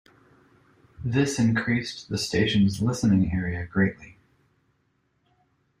This increased the station's listening area greatly.